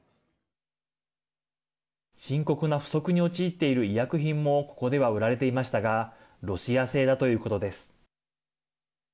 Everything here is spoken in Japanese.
深刻な不足に陥っている医薬品もここでは売られていましたがロシア製だということです。